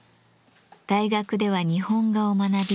大学では日本画を学び